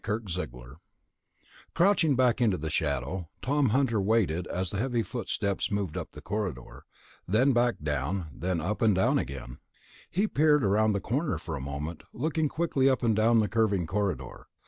The Invisible Man Crouching back into the shadow, Tom Hunter waited as the heavy footsteps moved up the corridor, then back down, then up and down again. He peered around the corner for a moment, looking quickly up and down the curving corridor.